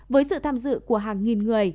với sự tham dự của hàng nghìn người